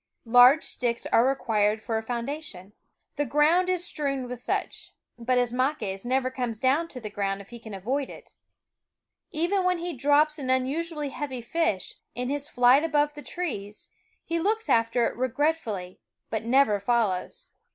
Large sticks are required for a founda tion. The ground is strewed with such ; but Ismaques never comes down to the ground if he can avoid it. Even when he drops an unusually heavy fish, in his flight above the trees, he looks after it regretfully, but never follows.